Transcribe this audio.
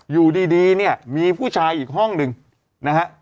อยู่ดีเนี่ยมีผู้ชายอีกห้องหนึ่งนะฮะ